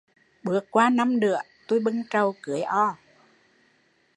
Bước qua năm nữa, tui bưng trầu cưới O!